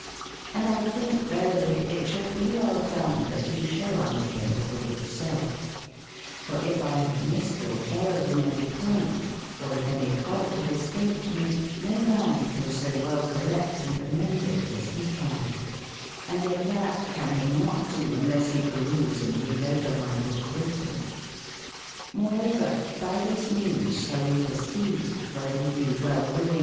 Hndltbynkeverelyeitsbal be well done, tbat you sbewe unto bim tbe booke it selfe. for yf X bave myssed or fay led in any e poyn te, or if any e fau Ite bave escapedme, noman can so well cor/ recte and amende it, as be can : and yet tbat can be not do, oneles be peruse and reade over my booke written ♦ JMoreover, by tbis meanes sball you perceave, wbe/ tber be be wellwyllynge S.